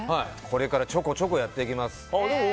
これからちょこちょこやっていきます。